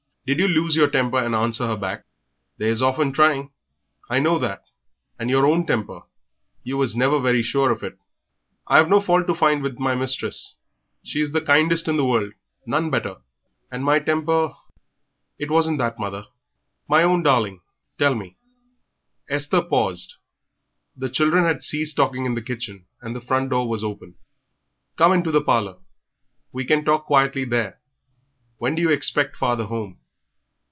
Did you lose your temper and answer her back? They is often trying, I know that, and your own temper you was never very sure of it." "I've no fault to find with my mistress; she is the kindest in the world none better, and my temper it wasn't that, mother " "My own darling, tell me " Esther paused. The children had ceased talking in the kitchen, and the front door was open. "Come into the parlour. We can talk quietly there.... When do you expect father home?"